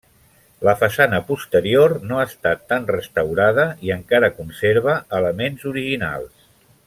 La façana posterior no ha estat tan restaurada i encara conserva elements originals.